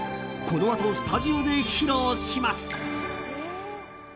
このあと、スタジオで披露します。